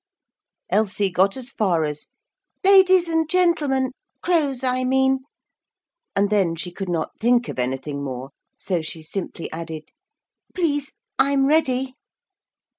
Elsie got as far as 'Ladies and gentlemen Crows, I mean,' and then she could not think of anything more, so she simply added, 'Please, I'm ready.'